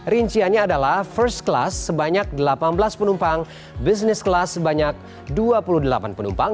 rinciannya adalah first class sebanyak delapan belas penumpang business class sebanyak dua puluh delapan penumpang